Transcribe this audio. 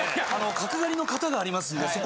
角刈りの型がありますんでそこ